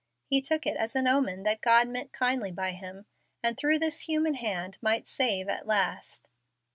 He took it as an omen that God meant kindly by him, and through this human hand might save at last.